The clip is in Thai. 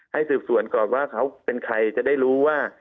สืบสวนก่อนว่าเขาเป็นใครจะได้รู้ว่า